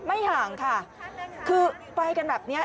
ไม่ห่างค่ะคือไปกันแบบเนี้ย